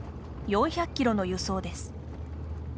４００キロの輸送です。